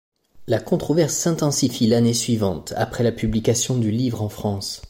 La controverse s’intensifie l’année suivante, après la publication du livre en France.